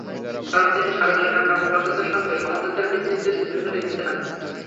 বরং তিনি সাবেক সেনা কর্মকর্তাদের সঙ্গে সমঝোতার ভিত্তিতে সিদ্ধান্ত নিতে চান।